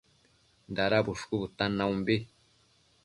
Dada bushcu bëtan naumbi